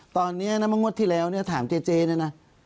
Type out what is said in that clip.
ตอนนี้น้ำมะงดที่แล้วถามเจเจนะนะ